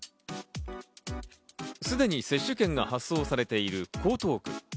すでに接種券が発送されている江東区。